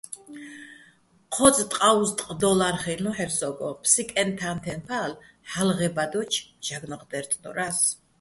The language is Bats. ჴო́წ ტყაუზტყ დო́ლარ ხილ'ნო́ჰ̦ერ სო́გო, "ფსიკეჼ-თანთეჼ ფალ" ჰ̦ალო̆ ღე́ბადოჩო̆ ჟაგნოღ დე́რწდორა́ს.